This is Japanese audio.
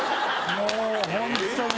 もうホントに。